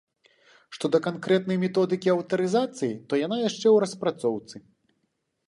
Што да канкрэтнай методыкі аўтарызацыі, то яна яшчэ ў распрацоўцы.